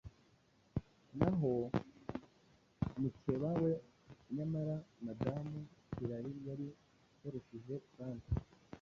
naho mukeba we nyamara Madamu Hillary yari yarushije Turump